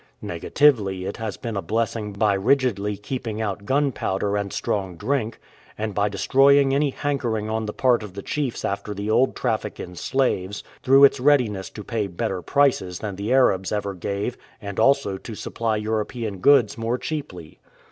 Negatively it has been a blessing by rigidly keeping out gunpowder and strong drink, and by destroying any hankering on the part of the chiefs after the old traffic in slaves, through its readiness to pay better prices than the Arabs ever gave and also to supply European goods more cheaply.